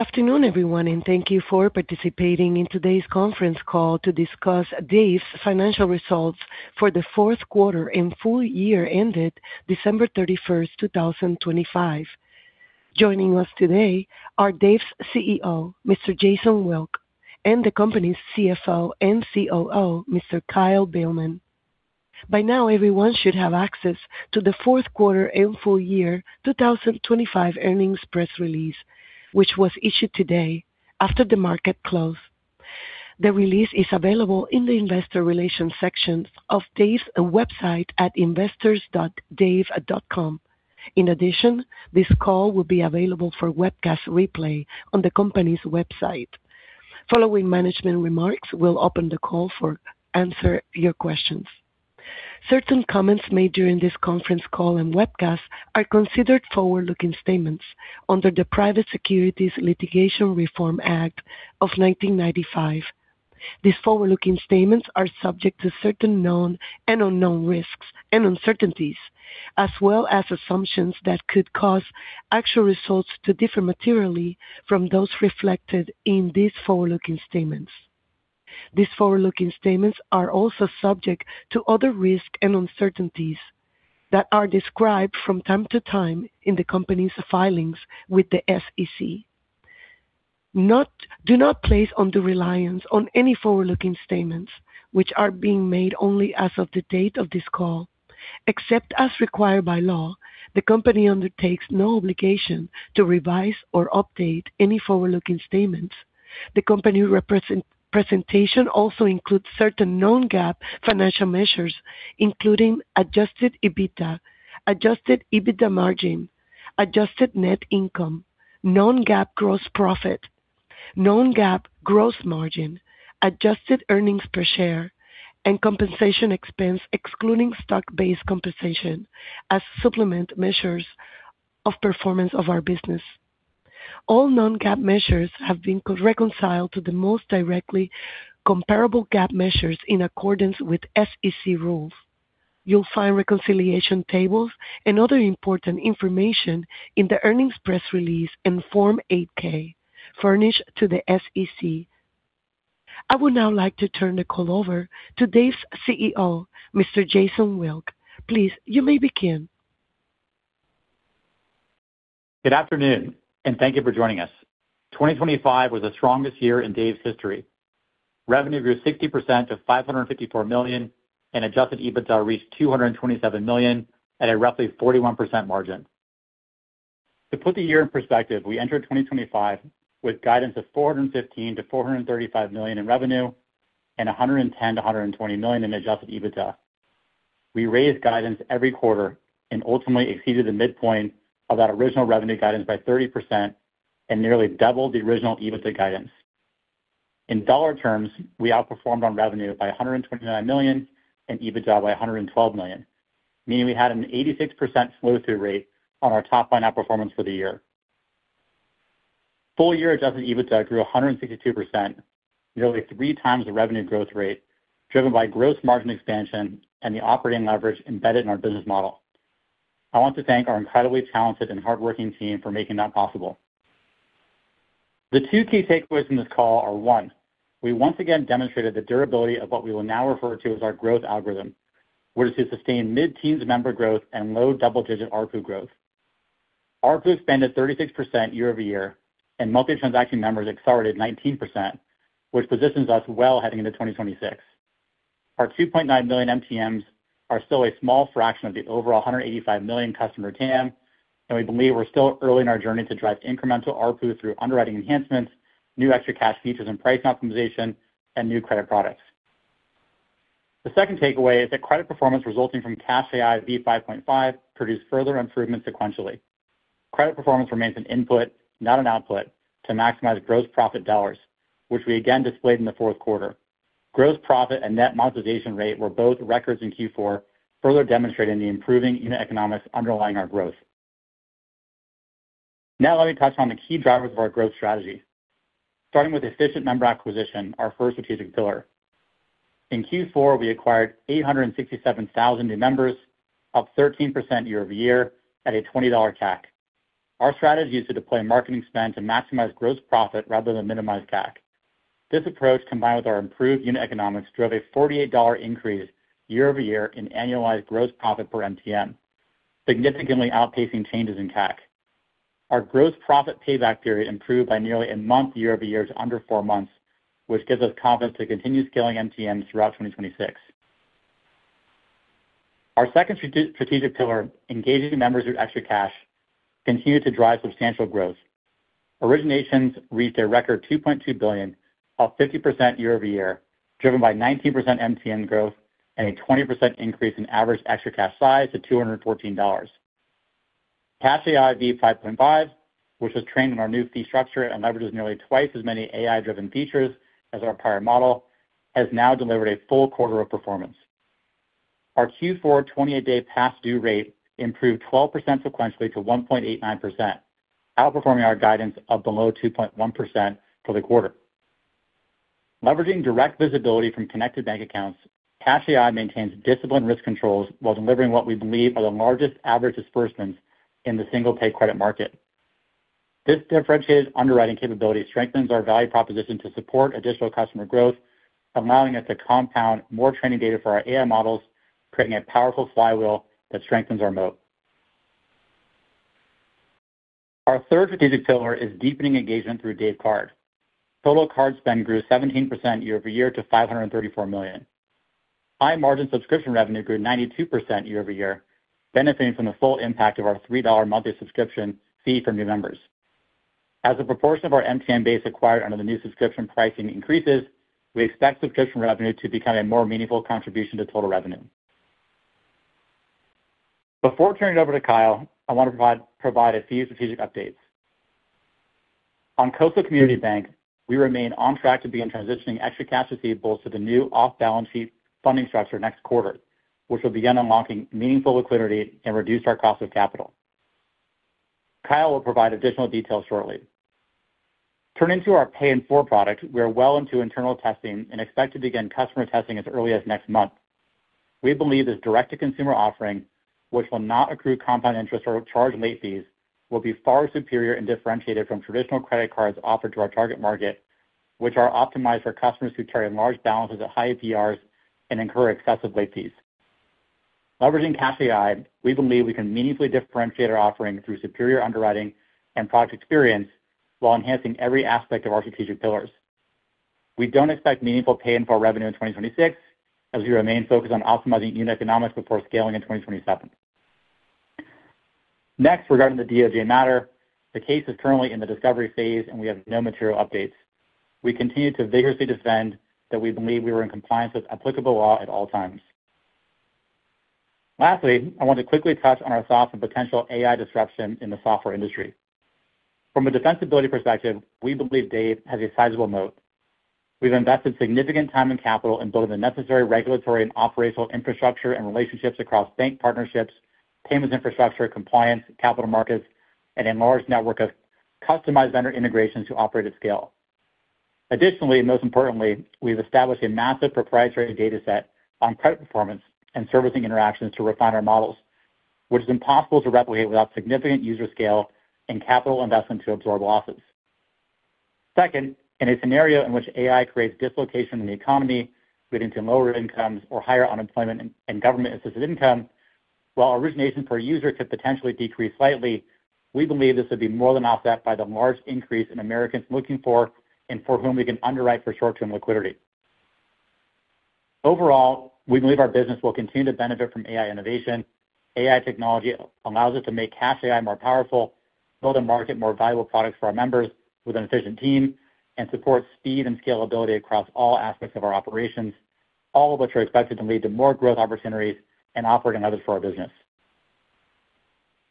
Afternoon, everyone, and thank you for participating in today's conference call to discuss Dave's financial results for the fourth quarter and full year ended December 31st, 2025. Joining us today are Dave's CEO, Mr. Jason Wilk, and the company's CFO and COO, Mr. Kyle Beilman. By now, everyone should have access to the fourth quarter and full year 2025 earnings press release, which was issued today after the market closed. The release is available in the investor relations section of Dave's website at investors.dave.com. In addition, this call will be available for webcast replay on the company's website. Following management remarks, we'll open the call for answer your questions. Certain comments made during this conference call and webcast are considered forward-looking statements under the Private Securities Litigation Reform Act of 1995. These forward-looking statements are subject to certain known and unknown risks and uncertainties, as well as assumptions that could cause actual results to differ materially from those reflected in these forward-looking statements. These forward-looking statements are also subject to other risks and uncertainties that are described from time to time in the company's filings with the SEC. Do not place undue reliance on any forward-looking statements which are being made only as of the date of this call. Except as required by law, the company undertakes no obligation to revise or update any forward-looking statements. The company presentation also includes certain non-GAAP financial measures, including adjusted EBITDA, adjusted EBITDA margin, adjusted net income, non-GAAP gross profit, non-GAAP gross margin, adjusted earnings per share, and compensation expense, excluding stock-based compensation as supplement measures of performance of our business. All non-GAAP measures have been reconciled to the most directly comparable GAAP measures in accordance with SEC rules. You'll find reconciliation tables and other important information in the earnings press release and Form 8-K furnished to the SEC. I would now like to turn the call over to Dave's CEO, Mr. Jason Wilk. Please, you may begin. Good afternoon. Thank you for joining us. 2025 was the strongest year in Dave's history. Revenue grew 60% to $554 million. Adjusted EBITDA reached $227 million at a roughly 41% margin. To put the year in perspective, we entered 2025 with guidance of $415 million-$435 million in revenue and $110 million-$120 million in adjusted EBITDA. We raised guidance every quarter and ultimately exceeded the midpoint of that original revenue guidance by 30% and nearly doubled the original EBITDA guidance. In dollar terms, we outperformed on revenue by $129 million and EBITDA by $112 million, meaning we had an 86% flow-through rate on our top-line outperformance for the year. Full year adjusted EBITDA grew 162%, nearly three times the revenue growth rate, driven by gross margin expansion and the operating leverage embedded in our business model. I want to thank our incredibly talented and hardworking team for making that possible. The two key takeaways from this call are one, we once again demonstrated the durability of what we will now refer to as our growth algorithm, which is to sustain mid-teens member growth and low double-digit ARPU growth. ARPU expanded 36% year-over-year, and multi-transaction members accelerated 19%, which positions us well heading into 2026. Our 2.9 million MTMs are still a small fraction of the overall 185 million customer TAM. We believe we're still early in our journey to drive incremental ARPU through underwriting enhancements, new ExtraCash features and pricing optimization, and new credit products. The second takeaway is that credit performance resulting from CashAI v5.5 produced further improvement sequentially. Credit performance remains an input, not an output, to maximize gross profit dollars, which we again displayed in the fourth quarter. Gross profit and net monetization rate were both records in Q4, further demonstrating the improving unit economics underlying our growth. Now let me touch on the key drivers of our growth strategy, starting with efficient member acquisition, our first strategic pillar. In Q4, we acquired 867,000 new members, up 13% year-over-year at a $20 CAC. Our strategy is to deploy marketing spend to maximize gross profit rather than minimize CAC. This approach, combined with our improved unit economics, drove a $48 increase year-over-year in annualized gross profit per MTM, significantly outpacing changes in CAC. Our gross profit payback period improved by nearly a month year-over-year to under four months, which gives us confidence to continue scaling MTMs throughout 2026. Our second strategic pillar, engaging members with ExtraCash, continued to drive substantial growth. Originations reached a record $2.2 billion, up 50% year-over-year, driven by 19% MTM growth and a 20% increase in average ExtraCash size to $214. CashAI v5.5, which was trained in our new fee structure and leverages nearly twice as many AI-driven features as our prior model, has now delivered a full quarter of performance. Our Q4 28-day past due rate improved 12% sequentially to 1.89%, outperforming our guidance of below 2.1% for the quarter. Leveraging direct visibility from connected bank accounts, CashAI maintains disciplined risk controls while delivering what we believe are the largest average disbursements in the single pay credit market. This differentiated underwriting capability strengthens our value proposition to support additional customer growth, allowing us to compound more training data for our AI models, creating a powerful flywheel that strengthens our moat. Our third strategic pillar is deepening engagement through Dave Card. Solo card spend grew 17% year-over-year to $534 million. High-margin subscription revenue grew 92% year-over-year, benefiting from the full impact of our $3 monthly subscription fee for new members. As a proportion of our MTM base acquired under the new subscription pricing increases, we expect subscription revenue to become a more meaningful contribution to total revenue. Before turning it over to Kyle, I want to provide a few strategic updates. On Coastal Community Bank, we remain on track to begin transitioning ExtraCash receivables to the new off-balance sheet funding structure next quarter, which will begin unlocking meaningful liquidity and reduce our cost of capital. Kyle will provide additional details shortly. Turning to our Pay in Four product, we are well into internal testing and expect to begin customer testing as early as next month. We believe this direct-to-consumer offering, which will not accrue compound interest or charge late fees, will be far superior and differentiated from traditional credit cards offered to our target market, which are optimized for customers who carry large balances at high APRs and incur excessive late fees. Leveraging Cash AI, we believe we can meaningfully differentiate our offering through superior underwriting and product experience while enhancing every aspect of our strategic pillars. We don't expect meaningful pay in four revenue in 2026 as we remain focused on optimizing unit economics before scaling in 2027. Next, regarding the DOJ matter, the case is currently in the discovery phase. We have no material updates. We continue to vigorously defend that we believe we were in compliance with applicable law at all times. Lastly, I want to quickly touch on our thoughts on potential AI disruption in the software industry. From a defensibility perspective, we believe Dave has a sizable moat. We've invested significant time and capital in building the necessary regulatory and operational infrastructure and relationships across bank partnerships, payments infrastructure, compliance, capital markets, and a large network of customized vendor integrations who operate at scale. Additionally, and most importantly, we've established a massive proprietary data set on credit performance and servicing interactions to refine our models, which is impossible to replicate without significant user scale and capital investment to absorb losses. Second, in a scenario in which AI creates dislocation in the economy leading to lower incomes or higher unemployment and government-assisted income, while origination per user could potentially decrease slightly, we believe this would be more than offset by the large increase in Americans looking for and for whom we can underwrite for short-term liquidity. Overall, we believe our business will continue to benefit from AI innovation. AI technology allows us to make CashAI more powerful, build and market more valuable products for our members with an efficient team, and support speed and scalability across all aspects of our operations, all of which are expected to lead to more growth opportunities and operating leverage for our business.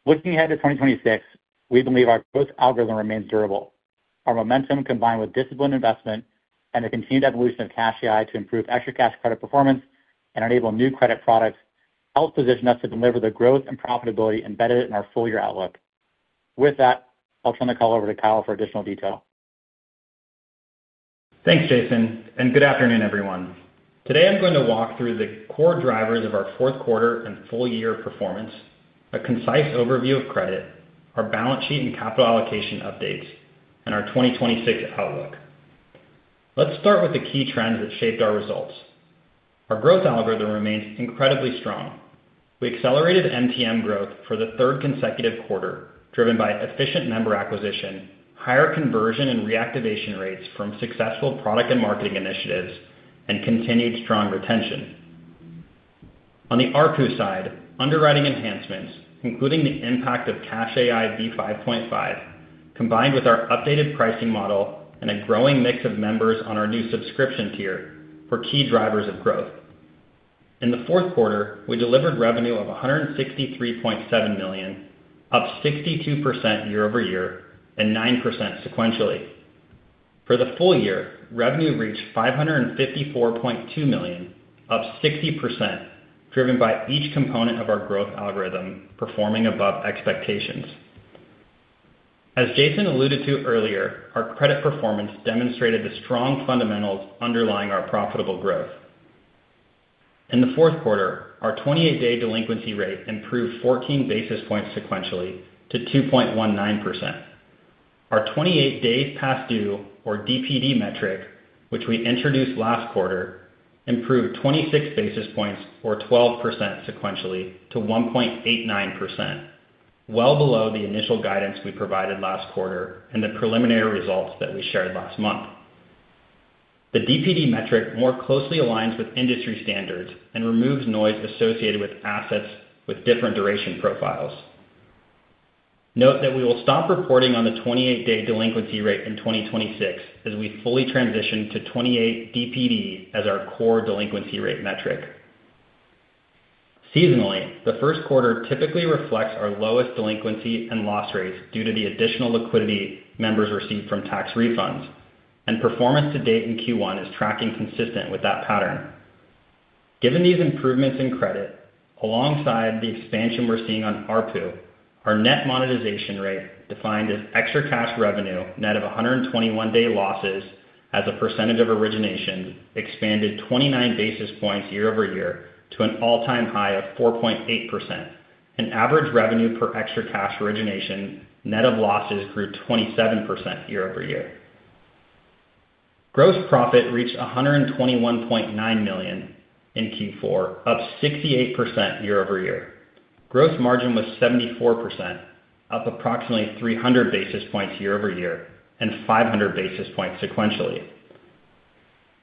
Looking ahead to 2026, we believe our growth algorithm remains durable. Our momentum, combined with disciplined investment and the continued evolution of CashAI to improve ExtraCash credit performance and enable new credit products, helps position us to deliver the growth and profitability embedded in our full-year outlook. With that, I'll turn the call over to Kyle for additional detail. Thanks, Jason. Good afternoon, everyone. Today I'm going to walk through the core drivers of our fourth quarter and full-year performance, a concise overview of credit, our balance sheet and capital allocation updates, and our 2026 outlook. Let's start with the key trends that shaped our results. Our growth algorithm remains incredibly strong. We accelerated MTM growth for the third consecutive quarter, driven by efficient member acquisition, higher conversion and reactivation rates from successful product and marketing initiatives, and continued strong retention. On the ARPU side, underwriting enhancements, including the impact of CashAI v5.5, combined with our updated pricing model and a growing mix of members on our new subscription tier, were key drivers of growth. In the fourth quarter, we delivered revenue of $163.7 million, up 62% year-over-year and 9% sequentially. For the full year, revenue reached $554.2 million, up 60%, driven by each component of our growth algorithm performing above expectations. As Jason alluded to earlier, our credit performance demonstrated the strong fundamentals underlying our profitable growth. In the fourth quarter, our 28-day delinquency rate improved 14 basis points sequentially to 2.19%. Our 28 days past due, or DPD metric, which we introduced last quarter, improved 26 basis points or 12% sequentially to 1.89%. Below the initial guidance we provided last quarter and the preliminary results that we shared last month. The DPD metric more closely aligns with industry standards and removes noise associated with assets with different duration profiles. Note that we will stop reporting on the 28-day delinquency rate in 2026 as we fully transition to 28 DPD as our core delinquency rate metric. Seasonally, the first quarter typically reflects our lowest delinquency and loss rates due to the additional liquidity members receive from tax refunds, and performance to date in Q1 is tracking consistent with that pattern. Given these improvements in credit, alongside the expansion we're seeing on ARPU, our net monetization rate, defined as ExtraCash revenue net of 121-day losses as a percentage of origination, expanded 29 basis points year-over-year to an all-time high of 4.8%. Average revenue per ExtraCash origination net of losses grew 27% year-over-year. Gross profit reached $121.9 million in Q4, up 68% year-over-year. Gross margin was 74%, up approximately 300 basis points year-over-year and 500 basis points sequentially.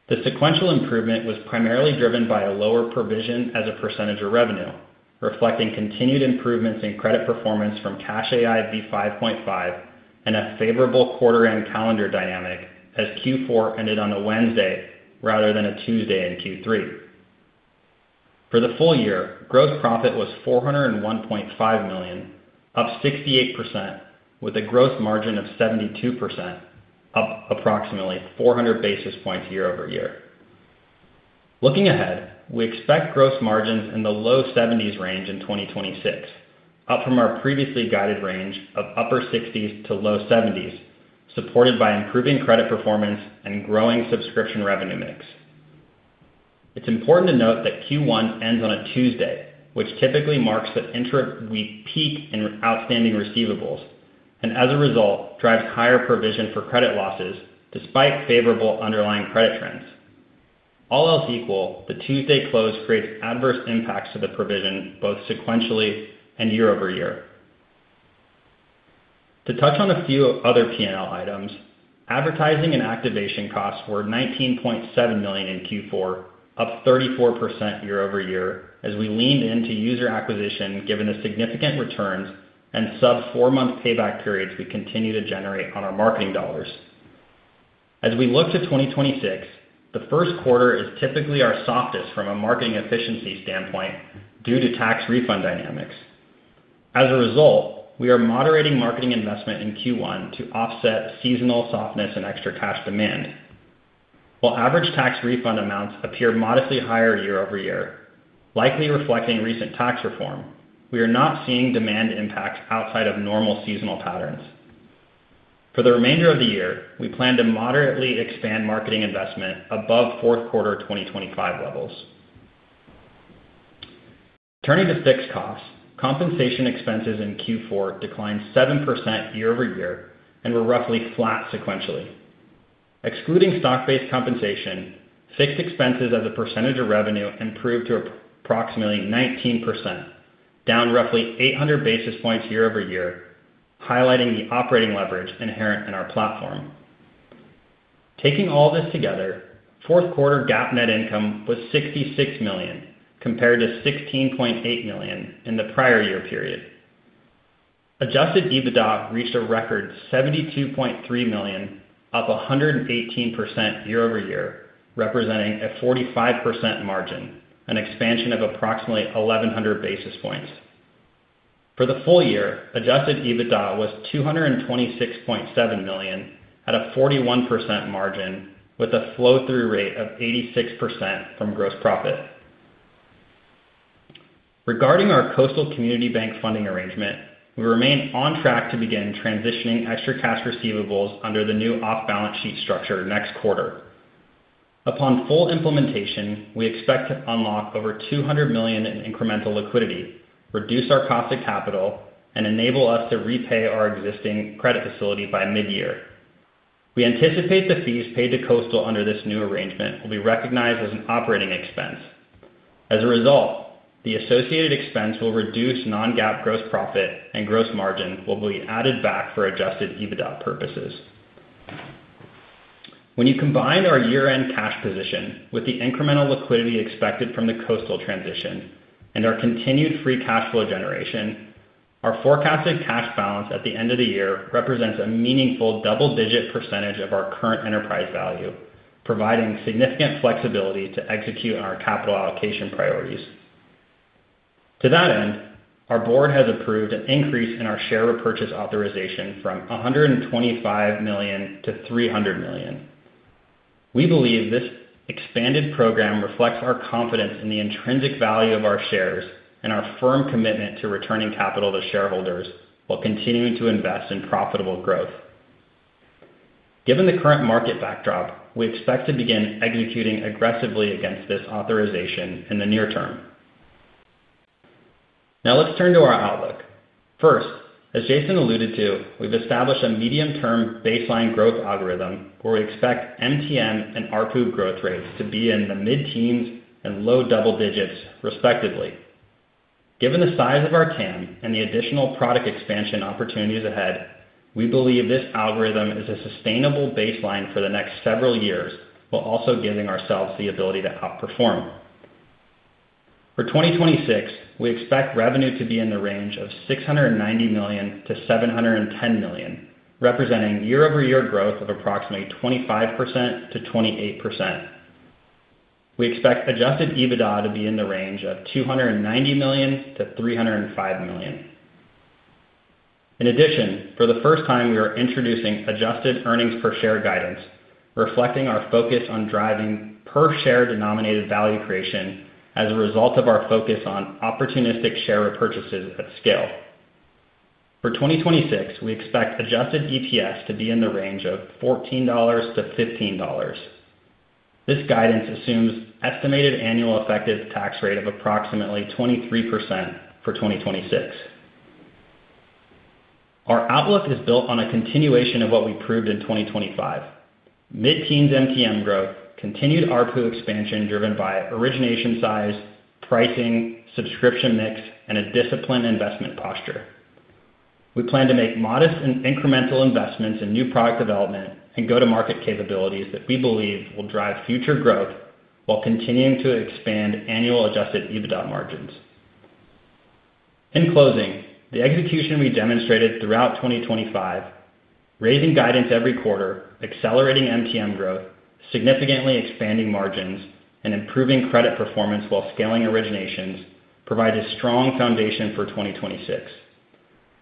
The sequential improvement was primarily driven by a lower provision as a percentage of revenue, reflecting continued improvements in credit performance from CashAI v5.5 and a favorable quarter-end calendar dynamic as Q4 ended on a Wednesday rather than a Tuesday in Q3. For the full year, gross profit was $401.5 million, up 68%, with a gross margin of 72%, up approximately 400 basis points year-over-year. Looking ahead, we expect gross margins in the low 70s range in 2026, up from our previously guided range of upper 60s to low 70s, supported by improving credit performance and growing subscription revenue mix. It's important to note that Q1 ends on a Tuesday, which typically marks the intra-week peak in outstanding receivables and, as a result, drives higher provision for credit losses despite favorable underlying credit trends. All else equal, the Tuesday close creates adverse impacts to the provision both sequentially and year-over-year. To touch on a few other P&L items, advertising and activation costs were $19.7 million in Q4, up 34% year-over-year, as we leaned into user acquisition given the significant returns and sub 4-month payback periods we continue to generate on our marketing dollars. As we look to 2026, the first quarter is typically our softest from a marketing efficiency standpoint due to tax refund dynamics. As a result, we are moderating marketing investment in Q1 to offset seasonal softness and ExtraCash demand. While average tax refund amounts appear modestly higher year-over-year, likely reflecting recent tax reform, we are not seeing demand impacts outside of normal seasonal patterns. For the remainder of the year, we plan to moderately expand marketing investment above fourth quarter 2025 levels. Turning to fixed costs, compensation expenses in Q4 declined 7% year-over-year and were roughly flat sequentially. Excluding stock-based compensation, fixed expenses as a percentage of revenue improved to approximately 19%, down roughly 800 basis points year-over-year, highlighting the operating leverage inherent in our platform. Taking all this together, fourth quarter GAAP net income was $66 million compared to $16.8 million in the prior year period. Adjusted EBITDA reached a record $72.3 million, up 118% year-over-year, representing a 45% margin, an expansion of approximately 1,100 basis points. For the full year, adjusted EBITDA was $226.7 million at a 41% margin with a flow-through rate of 86% from gross profit. Regarding our Coastal Community Bank funding arrangement, we remain on track to begin transitioning ExtraCash receivables under the new off-balance sheet structure next quarter. Upon full implementation, we expect to unlock over $200 million in incremental liquidity, reduce our cost of capital, and enable us to repay our existing credit facility by mid-year. We anticipate the fees paid to Coastal under this new arrangement will be recognized as an operating expense. As a result, the associated expense will reduce non-GAAP gross profit and gross margin will be added back for adjusted EBITDA purposes. When you combine our year-end cash position with the incremental liquidity expected from the Coastal transition and our continued free cash flow generation, our forecasted cash balance at the end of the year represents a meaningful double-digit percentage of our current enterprise value, providing significant flexibility to execute our capital allocation priorities. To that end, our board has approved an increase in our share repurchase authorization from $125 million to $300 million. We believe this expanded program reflects our confidence in the intrinsic value of our shares and our firm commitment to returning capital to shareholders while continuing to invest in profitable growth. Given the current market backdrop, we expect to begin executing aggressively against this authorization in the near term. Let's turn to our outlook. As Jason alluded to, we've established a medium-term baseline growth algorithm where we expect MTM and ARPU growth rates to be in the mid-teens and low double digits respectively. Given the size of our TAM and the additional product expansion opportunities ahead, we believe this algorithm is a sustainable baseline for the next several years while also giving ourselves the ability to outperform. For 2026, we expect revenue to be in the range of $690 million-$710 million, representing year-over-year growth of approximately 25%-28%. We expect adjusted EBITDA to be in the range of $290 million-$305 million. For the first time, we are introducing Adjusted Earnings per Share guidance, reflecting our focus on driving per share denominated value creation as a result of our focus on opportunistic share repurchases at scale. For 2026, we expect Adjusted EPS to be in the range of $14-$15. This guidance assumes estimated annual effective tax rate of approximately 23% for 2026. Our outlook is built on a continuation of what we proved in 2025. Mid-teens MTM growth, continued ARPU expansion driven by origination size, pricing, subscription mix, and a disciplined investment posture. We plan to make modest and incremental investments in new product development and go-to-market capabilities that we believe will drive future growth while continuing to expand annual adjusted EBITDA margins. In closing, the execution we demonstrated throughout 2025, raising guidance every quarter, accelerating MTM growth, significantly expanding margins, and improving credit performance while scaling originations, provide a strong foundation for 2026.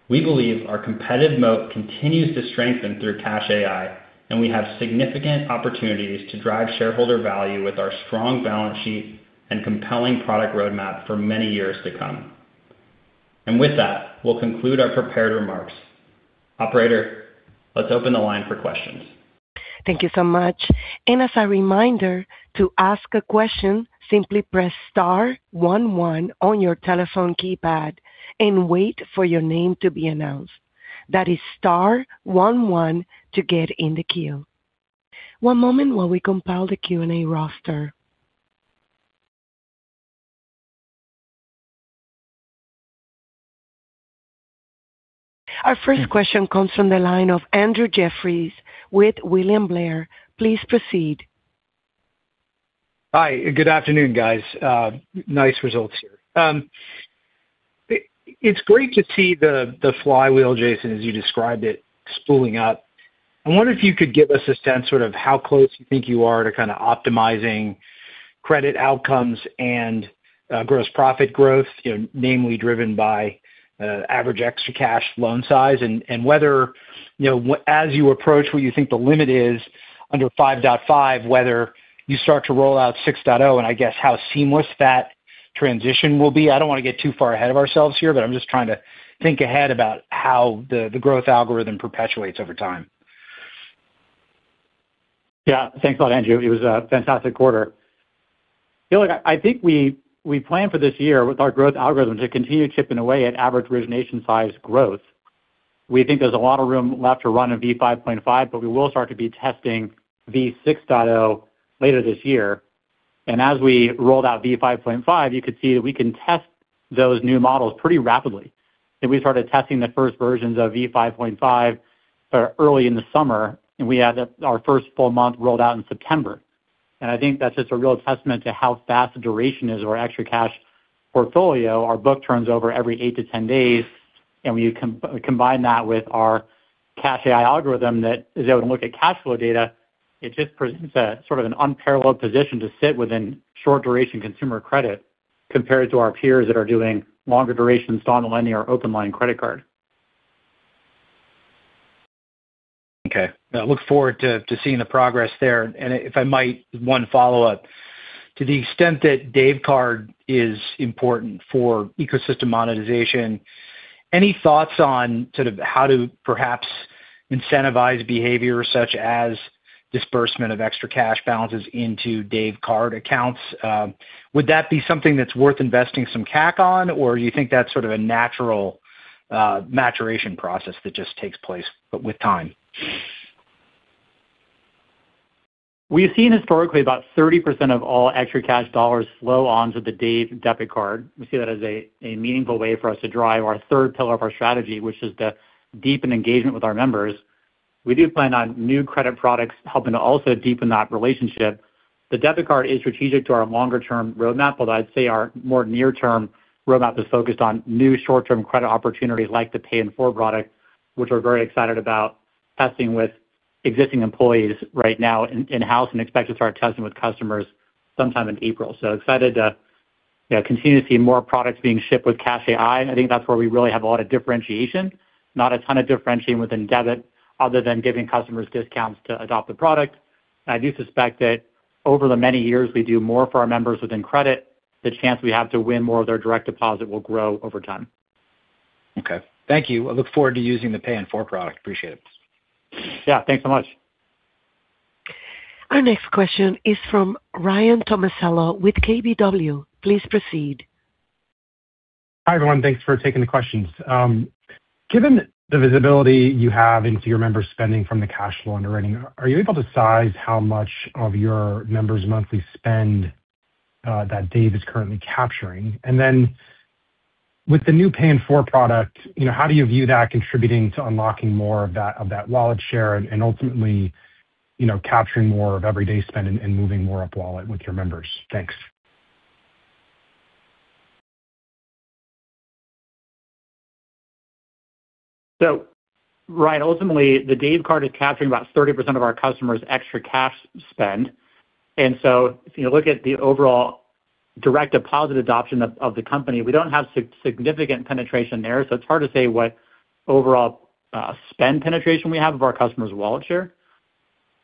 We believe our competitive moat continues to strengthen through CashAI, we have significant opportunities to drive shareholder value with our strong balance sheet and compelling product roadmap for many years to come. With that, we'll conclude our prepared remarks. Operator, let's open the line for questions. Thank you so much. As a reminder to ask a question, simply press star one one on your telephone keypad and wait for your name to be announced. That is star one one to get in the queue. One moment while we compile the Q&A roster. Our first question comes from the line of Andrew Jeffrey with William Blair. Please proceed. Hi, good afternoon, guys. Nice results here. It's great to see the flywheel, Jason, as you described it, spooling up. I wonder if you could give us a sense sort of how close you think you are to kinda optimizing credit outcomes and gross profit growth, you know, namely driven by average ExtraCash loan size and whether, you know, as you approach what you think the limit is under 5.5, whether you start to roll out 6.0, and I guess how seamless that transition will be. I don't want to get too far ahead of ourselves here, but I'm just trying to think ahead about how the growth algorithm perpetuates over time. Yeah. Thanks a lot, Andrew. It was a fantastic quarter. You know, look, I think we plan for this year with our growth algorithm to continue chipping away at average origination size growth. We think there's a lot of room left to run in v5.5, but we will start to be testing v6.0 later this year. As we rolled out v5.5, you could see that we can test those new models pretty rapidly. We started testing the first versions of v5.5 early in the summer, and we had our first full month rolled out in September. I think that's just a real testament to how fast the duration is of our ExtraCash portfolio. Our book turns over every eight to 10 days, and when you combine that with our CashAI algorithm that is able to look at cash flow data, it just presents a sort of an unparalleled position to sit within short-duration consumer credit compared to our peers that are doing longer duration install and lending or open line credit card. Okay. I look forward to seeing the progress there. If I might, one follow-up. To the extent that Dave Card is important for ecosystem monetization, any thoughts on sort of how to perhaps incentivize behavior such as disbursement of ExtraCash balances into Dave Card accounts? Would that be something that's worth investing some CAC on or do you think that's sort of a natural, maturation process that just takes place with time? We've seen historically about 30% of all ExtraCash dollars flow onto the Dave Card. We see that as a meaningful way for us to drive our third pillar of our strategy, which is to deepen engagement with our members. We do plan on new credit products helping to also deepen that relationship. The debit card is strategic to our longer-term roadmap, although I'd say our more near-term roadmap is focused on new short-term credit opportunities like the Pay in Four product, which we're very excited about testing with existing employees right now in-house and expect to start testing with customers sometime in April. Excited to, you know, continue to see more products being shipped with CashAI. I think that's where we really have a lot of differentiation, not a ton of differentiating within debit other than giving customers discounts to adopt the product. I do suspect that over the many years we do more for our members within credit, the chance we have to win more of their direct deposit will grow over time. Okay. Thank you. I look forward to using the Pay in Four product. Appreciate it. Yeah, thanks so much. Our next question is from Ryan Tomasello with KBW. Please proceed. Hi, everyone. Thanks for taking the questions. Given the visibility you have into your members' spending from the cash loan underwriting, are you able to size how much of your members' monthly spend that Dave is currently capturing? Then with the new Pay in Four product, you know, how do you view that contributing to unlocking more of that, of that wallet share and ultimately, you know, capturing more of everyday spend and moving more up wallet with your members? Thanks. Right. Ultimately, the Dave Card is capturing about 30% of our customers ExtraCash spend. If you look at the overall direct deposit adoption of the company, we don't have significant penetration there, so it's hard to say what overall spend penetration we have of our customers wallet share.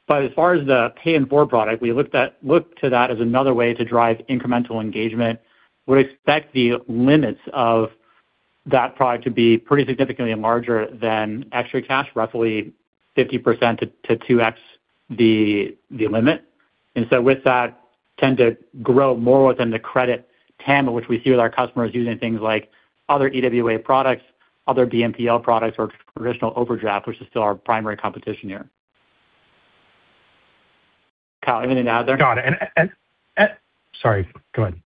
As far as the Pay in Four product, we look to that as another way to drive incremental engagement. Would expect the limits of that product to be pretty significantly larger than ExtraCash, roughly 50% to 2x the limit. With that tend to grow more within the credit TAM, which we see with our customers using things like other EWA products, other BNPL products or traditional overdraft, which is still our primary competition here. Kyle, anything to add there? Got it. Sorry, go ahead.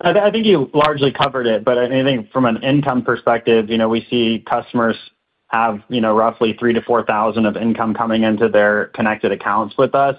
I think you largely covered it, but I think from an income perspective, you know, we see customers have, you know, roughly $3,000-$4,000 of income coming into their connected accounts with us.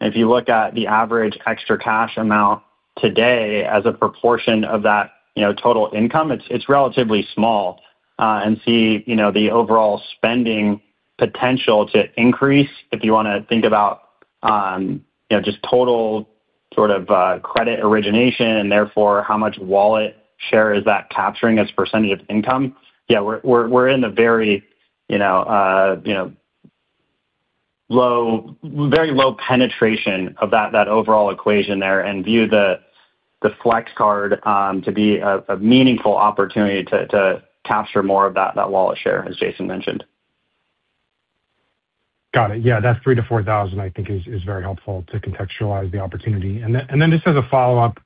If you look at the average ExtraCash amount today as a proportion of that, you know, total income, it's relatively small, and see, you know, the overall spending potential to increase. If you wanna think about, you know, just total sort of credit origination and therefore how much wallet share is that capturing as a % of income. Yeah, we're in a very, you know, low, very low penetration of that overall equation there and view the Flex card to be a meaningful opportunity to capture more of that wallet share, as Jason mentioned. Got it. Yeah, that 3,000-4,000 I think is very helpful to contextualize the opportunity. Then, just as a follow-up,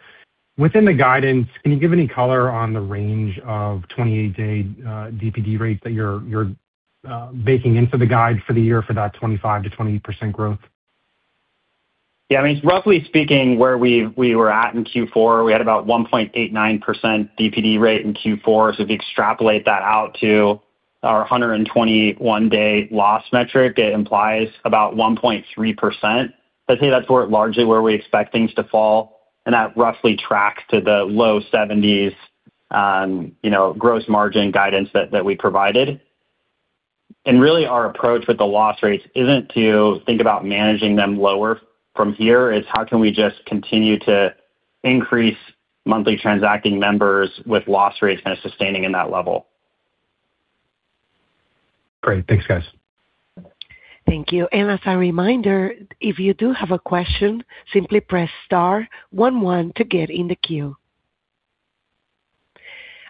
within the guidance, can you give any color on the range of 28-day DPD rate that you're baking into the guide for the year for that 25%-28% growth? Yeah, I mean, roughly speaking, where we were at in Q4, we had about 1.89% DPD rate in Q4. If you extrapolate that out to our 121-day loss metric, it implies about 1.3%. I'd say that's largely where we expect things to fall. That roughly tracks to the low 70s% gross margin guidance that we provided. Really our approach with the loss rates isn't to think about managing them lower from here. It's how can we just continue to increase monthly transacting members with loss rates kind of sustaining in that level. Great. Thanks, guys. Thank you. As a reminder, if you do have a question, simply press star 11 to get in the queue.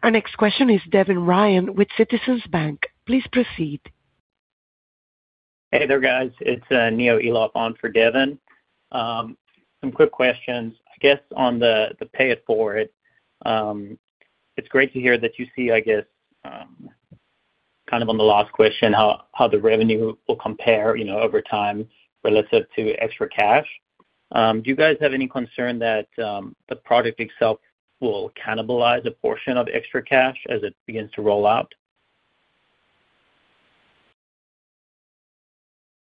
Our next question is Devin Ryan with Citizens Bank. Please proceed. Hey there, guys. It's [inaudible] on for Devin. Some quick questions. I guess on the Pay in Four, it's great to hear that you see, I guess, kind of on the last question, how the revenue will compare, you know, over time relative to ExtraCash. Do you guys have any concern that the product itself will cannibalize a portion of ExtraCash as it begins to roll out?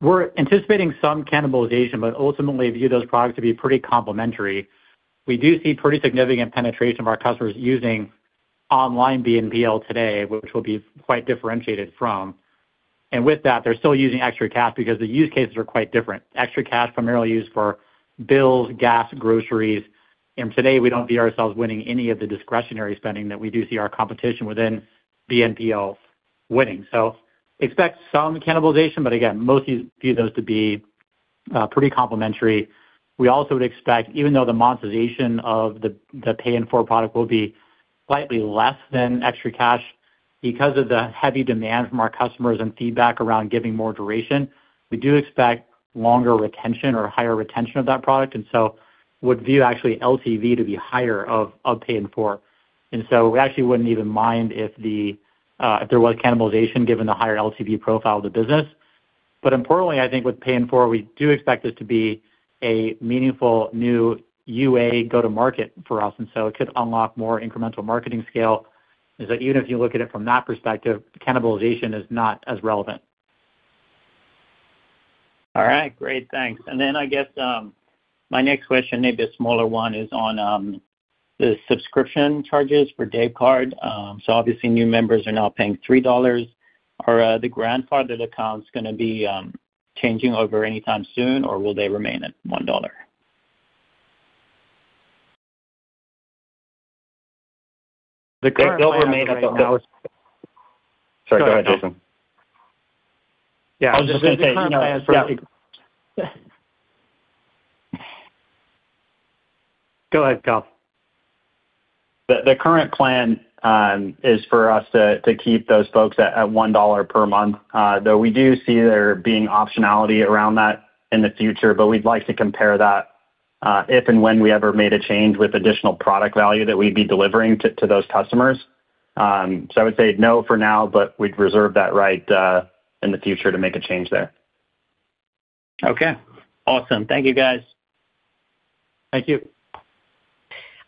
We're anticipating some cannibalization, but ultimately view those products to be pretty complementary. We do see pretty significant penetration of our customers using online BNPL today, which we'll be quite differentiated from. With that, they're still using ExtraCash because the use cases are quite different. ExtraCash primarily used for bills, gas, groceries. Today, we don't view ourselves winning any of the discretionary spending that we do see our competition within BNPL winning. Expect some cannibalization, but again, mostly view those to be pretty complementary. We also would expect, even though the monetization of the Pay in Four product will be slightly less than ExtraCash because of the heavy demand from our customers and feedback around giving more duration, we do expect longer retention or higher retention of that product, would view actually LTV to be higher of Pay in Four. We actually wouldn't even mind if there was cannibalization given the higher LTV profile of the business. Importantly, I think with Pay in Four, we do expect it to be a meaningful new UA go-to-market for us, it could unlock more incremental marketing scale, is that even if you look at it from that perspective, cannibalization is not as relevant. All right. Great. Thanks. I guess, my next question may be a smaller one, is on the subscription charges for Dave Card. Obviously new members are now paying $3. Are the grandfathered accounts gonna be changing over anytime soon, or will they remain at $1? The current plan right now is. They'll remain at the. Sorry, go ahead, Jason. Yeah. I was just gonna say, you know. The current plan is. Yeah. Go ahead, Kyle. The current plan is for us to keep those folks at $1 per month, though we do see there being optionality around that in the future. We'd like to compare that, if and when we ever made a change with additional product value that we'd be delivering to those customers. I would say no for now, but we'd reserve that right in the future to make a change there. Okay. Awesome. Thank you, guys. Thank you.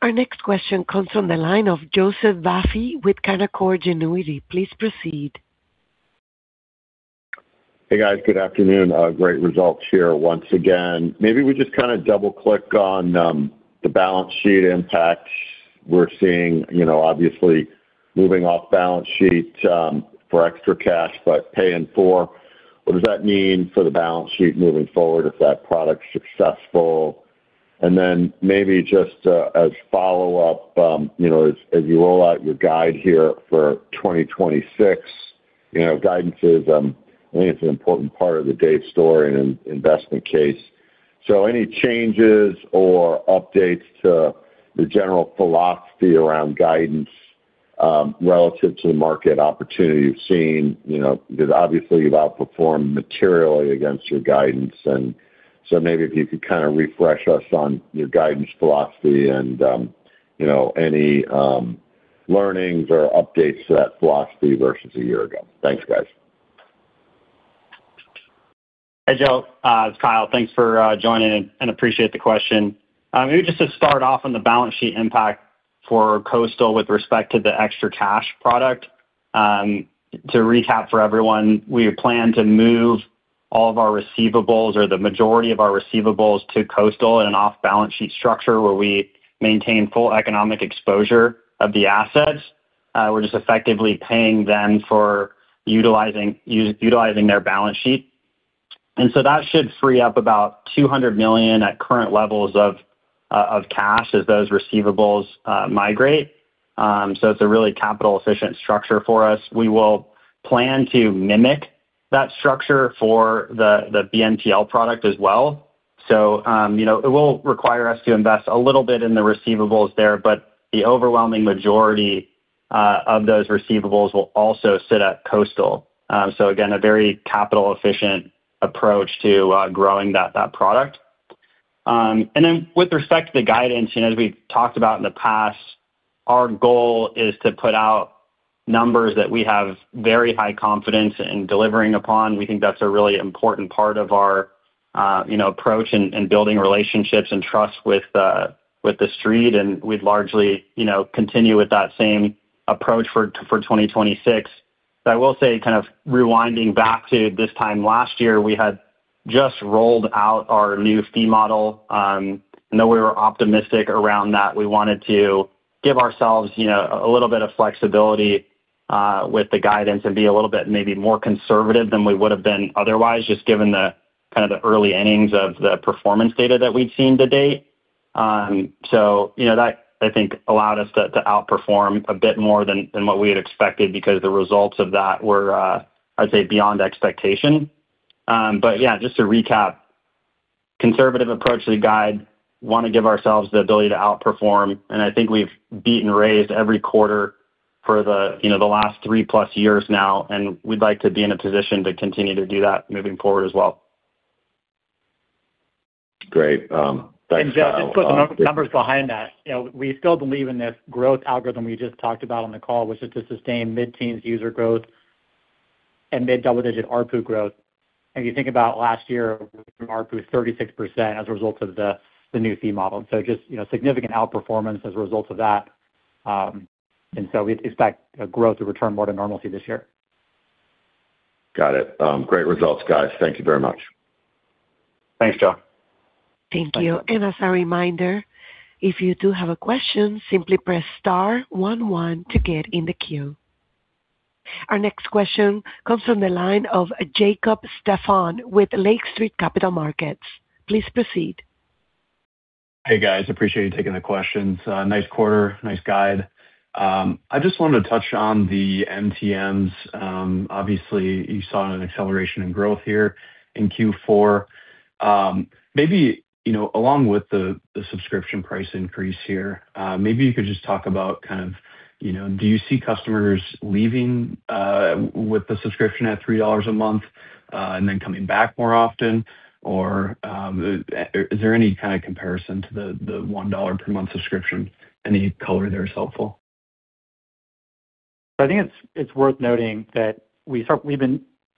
Our next question comes from the line of Joseph Vafi with Canaccord Genuity. Please proceed. Hey guys, good afternoon. Great results here once again. Maybe we just kind of double-click on the balance sheet impact we're seeing. You know, obviously moving off balance sheet for ExtraCash, but Pay in Four. What does that mean for the balance sheet moving forward if that product's successful? Then maybe just, as follow-up, you know, as you roll out your guide here for 2026, you know, guidance is, I think it's an important part of The Dave Story and investment case. Any changes or updates to your general philosophy around guidance, relative to the market opportunity you've seen, you know? Obviously you've outperformed materially against your guidance, maybe if you could kind of refresh us on your guidance philosophy and, you know, any learnings or updates to that philosophy versus a year ago? Thanks, guys. Hey, Joe, it's Kyle. Thanks for joining and appreciate the question. Maybe just to start off on the balance sheet impact for Coastal with respect to the ExtraCash product. To recap for everyone, we plan to move all of our receivables or the majority of our receivables to Coastal in an off-balance sheet structure where we maintain full economic exposure of the assets. We're just effectively paying them for utilizing their balance sheet. So that should free up about $200 million at current levels of cash as those receivables migrate. So it's a really capital efficient structure for us. We will plan to mimic that structure for the BNPL product as well. You know, it will require us to invest a little bit in the receivables there, but the overwhelming majority of those receivables will also sit at Coastal. Again, a very capital efficient approach to growing that product. Then with respect to the guidance, you know, as we've talked about in the past, our goal is to put out numbers that we have very high confidence in delivering upon. We think that's a really important part of our, you know, approach in building relationships and trust with the Street, and we'd largely, you know, continue with that same approach for 2026. I will say, kind of rewinding back to this time last year, we had just rolled out our new fee model. I know we were optimistic around that. We wanted to give ourselves, you know, a little bit of flexibility with the guidance and be a little bit maybe more conservative than we would have been otherwise, just given the kind of the early innings of the performance data that we'd seen to date. You know, that I think allowed us to outperform a bit more than what we had expected because the results of that were, I'd say beyond expectation. Yeah, just to recap, conservative approach to the guide, wanna give ourselves the ability to outperform, and I think we've beaten raised every quarter for the, you know, the last three-plus years now, and we'd like to be in a position to continue to do that moving forward as well. Great. Thanks, Kyle. Joe, just put some numbers behind that. You know, we still believe in this growth algorithm we just talked about on the call, which is to sustain mid-teens user growth and mid-double-digit ARPU growth. If you think about last year, ARPU is 36% as a result of the new fee model. Just, you know, significant outperformance as a result of that. We expect a growth of return more to normalcy this year. Got it. Great results, guys. Thank you very much. Thanks, Joe. Thank you. As a reminder, if you do have a question, simply press star one one to get in the queue. Our next question comes from the line of Jacob Stephan with Lake Street Capital Markets. Please proceed. Hey, guys. Appreciate you taking the questions. Nice quarter, nice guide. I just wanted to touch on the MTMs. Obviously you saw an acceleration in growth here in Q4. Maybe, you know, along with the subscription price increase here, maybe you could just talk about kind of, you know, do you see customers leaving with the subscription at $3 a month, and then coming back more often, or is there any kind of comparison to the $1 per month subscription? Any color there is helpful. I think it's worth noting that we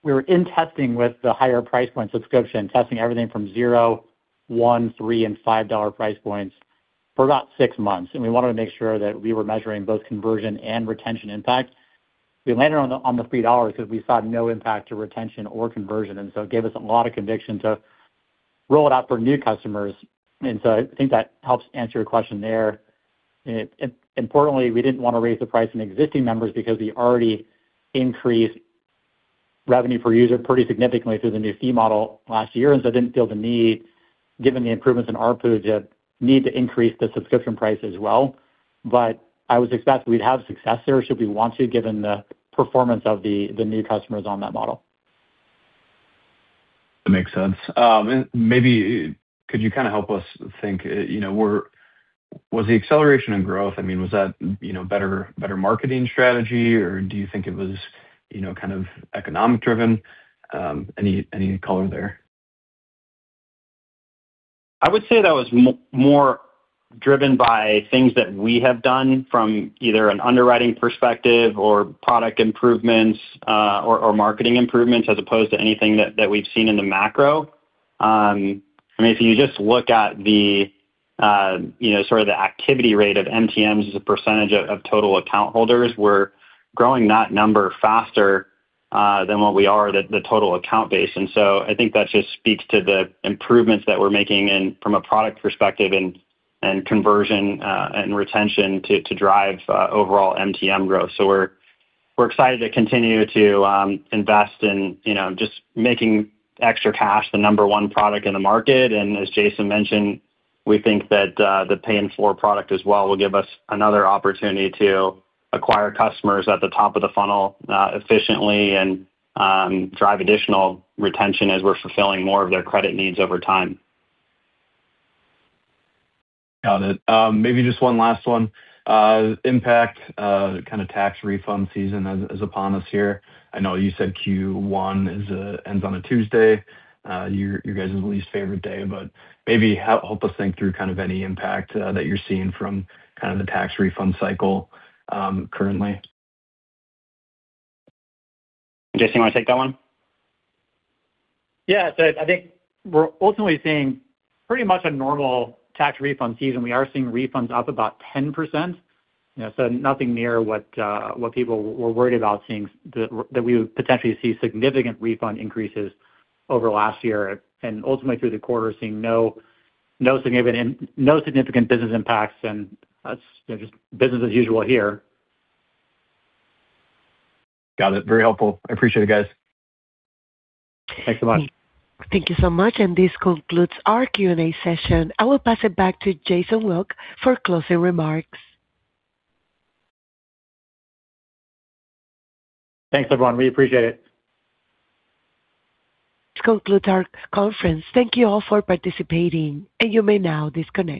were in testing with the higher price point subscription, testing everything from $0, $1, $3, and $5 price points for about six months, and we wanted to make sure that we were measuring both conversion and retention impact. We landed on the $3 because we saw no impact to retention or conversion. It gave us a lot of conviction to roll it out for new customers. I think that helps answer your question there. Importantly, we didn't wanna raise the price on existing members because we already increased revenue per user pretty significantly through the new fee model last year. I didn't feel the need, given the improvements in ARPU, to need to increase the subscription price as well. I would expect we'd have success there should we want to, given the performance of the new customers on that model. That makes sense. Maybe could you kind of help us think, you know, was the acceleration in growth, I mean, was that, you know, better marketing strategy, or do you think it was, you know, kind of economic driven? Any color there? I would say that was more driven by things that we have done from either an underwriting perspective or product improvements, or marketing improvements, as opposed to anything that we've seen in the macro. I mean, if you just look at the, you know, sort of the activity rate of MTMs as a percentage of total account holders, we're growing that number faster, than what we are the total account base. I think that just speaks to the improvements that we're making in from a product perspective and conversion, and retention to drive, overall MTM growth. We're, we're excited to continue to, invest in, you know, just making ExtraCash the number one1 product in the market. As Jason mentioned, we think that, the Pay in Four product as well will give us another opportunity to acquire customers at the top of the funnel, efficiently and, drive additional retention as we're fulfilling more of their credit needs over time. Got it. Maybe just one last one. Impact, kind of tax refund season is upon us here. I know you said Q1 is, ends on a Tuesday, your guys' least favorite day, but maybe help us think through kind of any impact that you're seeing from kind of the tax refund cycle currently? Jason, you wanna take that one? I think we're ultimately seeing pretty much a normal tax refund season. We are seeing refunds up about 10%. You know, nothing near what people were worried about seeing that we would potentially see significant refund increases over last year. Ultimately through the quarter, seeing no significant business impacts, and that's just business as usual here. Got it. Very helpful. I appreciate it, guys. Thanks so much. Thank you so much. This concludes our Q&A session. I will pass it back to Jason Wilk for closing remarks. Thanks, everyone. We appreciate it. This concludes our conference. Thank you all for participating, and you may now disconnect.